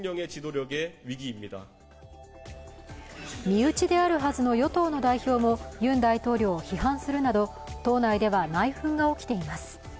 身内であるはずの与党の代表もユン大統領を批判するなど党内では内紛が起きています。